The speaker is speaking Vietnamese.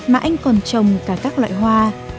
mà anh còn trồng cả các loại hoa